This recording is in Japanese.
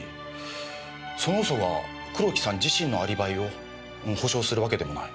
その嘘が黒木さん自身のアリバイを保障するわけでもない。